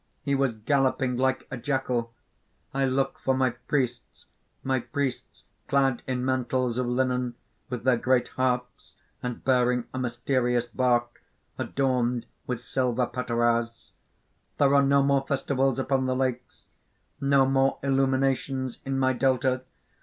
He was galloping like a jackal. "I look for my priests, my priests clad in mantles of linen, with their great harps, and bearing a mysterious bark, adorned with silver pateras. There are no more festivals upon the lakes! no more illuminations in my delta!